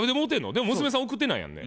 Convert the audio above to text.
でも娘さん送ってないやんね。